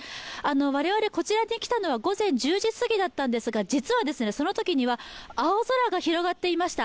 我々、こちらに来たのは午前１０時すぎだったんですが実はそのときには青空が広がっていました。